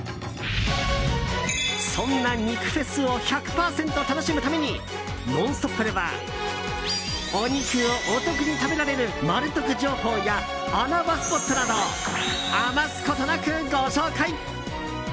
そんな肉フェスを１００％楽しむために「ノンストップ！」ではお肉をお得に食べられるマル得情報や穴場スポットなどを余すことなくご紹介！